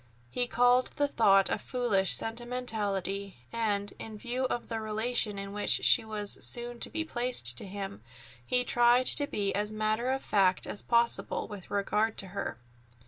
He called the thought a foolish sentimentality, and, in view of the relation in which she was soon to be placed to him, he tried to be as matter of fact as possible with regard to her.